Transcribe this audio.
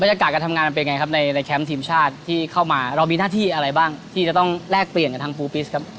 ยากาศการทำงานมันเป็นไงครับในแคมป์ทีมชาติที่เข้ามาเรามีหน้าที่อะไรบ้างที่จะต้องแลกเปลี่ยนกับทางปูปิสครับ